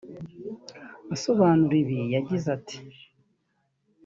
Asobanura ibi yagize ati